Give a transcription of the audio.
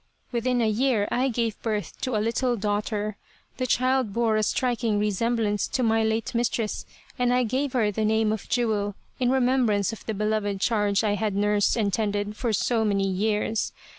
Within a year I gave birth to a little daughter. The child bore a striking resemblance to my late mistress and I gave her the name of Jewel in remembrance of the beloved charge I had nursed and tended for so many years.